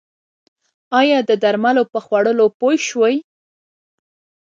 ایا د درملو په خوړلو پوه شوئ؟